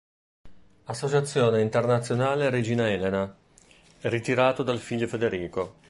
Associazione Internazionale Regina Elena, ritirato dal figlio Federico.